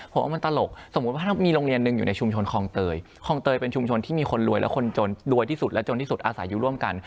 ผมว่ามันตลกสมมุติว่ามีโรงเรียนหนึ่งอยู่ในชุมชนคลองเตยคลองเตยเป็นชุมชนที่มีคนรวยและคนจนรวยที่สุดและจนที่สุดอาศัยอยู่ร่วมกัน